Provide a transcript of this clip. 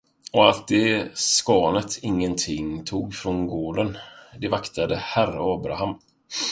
Och att det skarnet ingenting tog från gården, det vaktade herr Abraham.